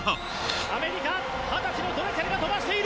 アメリカ、２０歳のドレセルが飛ばしている。